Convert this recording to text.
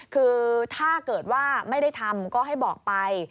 คือถ้าเกิดว่าไม่ได้ทำก็ให้บอกไป